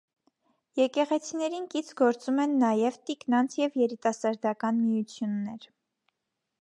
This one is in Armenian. Եկեղեցիներին կից գործում են նաև տիկնանց և երիտասարդական միություններ։